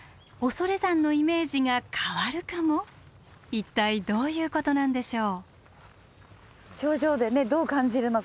一体どういうことなんでしょう？